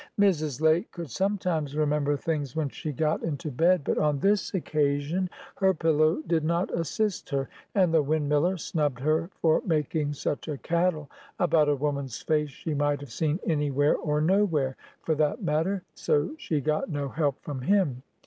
Mrs. Lake could sometimes remember things when she got into bed, but on this occasion her pillow did not assist her; and the windmiller snubbed her for making "such a caddle" about a woman's face she might have seen anywhere or nowhere, for that matter; so she got no help from him.